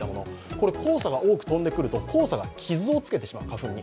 これ、黄砂が多く飛んでくると黄砂が傷をつけてしまう、花粉に。